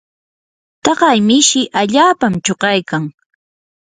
taqay mishi allaapam chuqaykan.